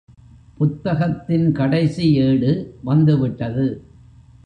புத்தகத்தின் கடைசி ஏடு வந்துவிட்டது.